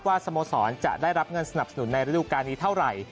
สโมสรจะได้รับเงินสนับสนุนในฤดูการนี้เท่าไหร่